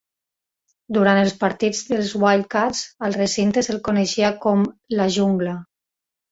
Durant els partits dels Wildcats, al recinte se'l coneixia com "La Jungla".